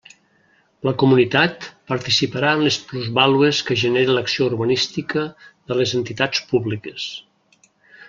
La comunitat participarà en les plusvàlues que genere l'acció urbanística de les entitats públiques.